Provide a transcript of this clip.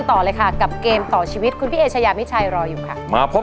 สวัสดีครับ